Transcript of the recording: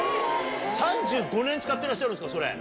３５年使ってらっしゃるんですかそれ。